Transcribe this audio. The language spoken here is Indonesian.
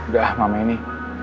gak ah mama ini